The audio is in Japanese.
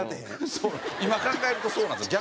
そう今考えるとそうなんですよ。